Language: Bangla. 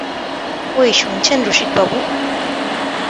ঐ শুনছেন রসিকবাবু?